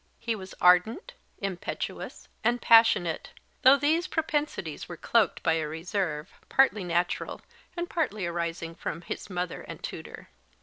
He was ardent, impetuous, and passionate, though these propensities were cloaked by a reserve, partly natural, and partly arising from of his mother and tutor.